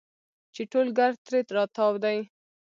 چې ټول ګرد ترې راتاو دي.